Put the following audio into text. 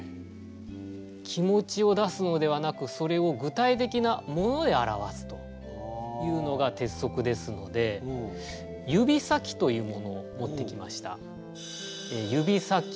気持ちを出すのではなくそれを具体的な「もの」で表すというのが鉄則ですので指先というものを持ってきました。